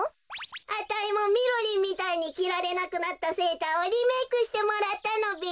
あたいもみろりんみたいにきられなくなったセーターをリメークしてもらったのべ。